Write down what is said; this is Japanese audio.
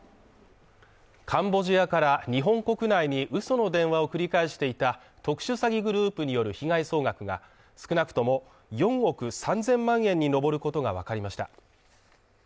カンボジアから日本国内にうその電話を繰り返していた特殊詐欺グループによる被害総額が少なくとも４億３０００万円にのぼることがわかりました。